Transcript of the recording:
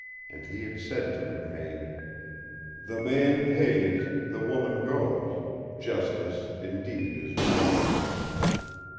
And he had said to McVane, "The man pays, the woman goes justice indeed is blind!"